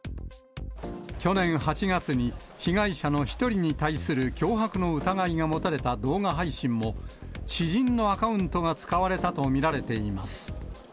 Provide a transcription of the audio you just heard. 去年８月に、被害者の１人に対する脅迫の疑いが持たれた動画配信も、知人のアカウントが使われたと見られています。